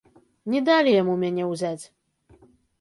Не далі яму мяне ўзяць.